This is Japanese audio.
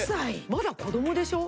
まだ子供でしょ？